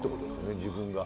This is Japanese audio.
自分が。